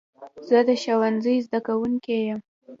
زه د ښوونځي زده کوونکی یم.